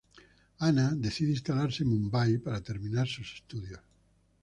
Anna decide instalarse en Mumbai para terminar sus estudios.